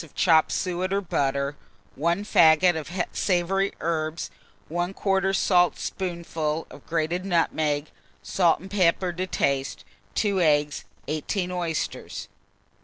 of chopped suet or butter, 1 faggot of savoury herbs, 1/4 saltspoonful of grated nutmeg, salt and pepper to taste, 2 eggs, 18 oysters.